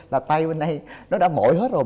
là tay bên đây nó đã mỏi hết rồi